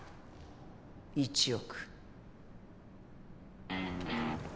１億。